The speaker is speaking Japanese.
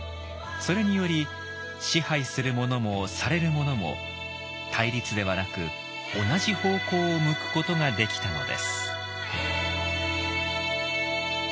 それにより支配する者もされる者も対立ではなく同じ方向を向くことができたのです。